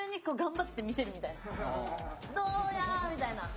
どうやみたいな。